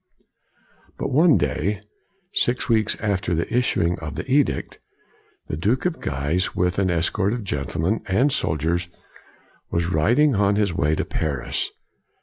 But one day, six weeks after the issuing of the edict, the Duke of Guise, with an escort of gentlemen and soldiers, was rid ing on his way to Paris.